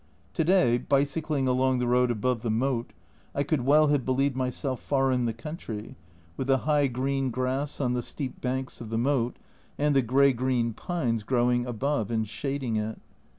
To day, bicycling along the road above the moat, I could well have believed myself far in the country, with the high green grass on the steep banks of the moat and the grey green pines growing above and shading it.